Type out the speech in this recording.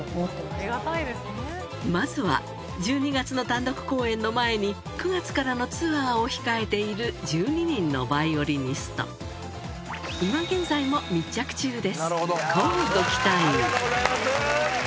まずは１２月の単独公演の前に９月からのツアーを控えている１２人のヴァイオリニストありがとうございます！